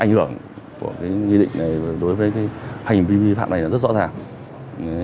hành vi vi phạm này rất rõ ràng